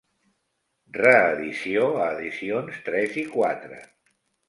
Reedició a Edicions Tres i Quatre.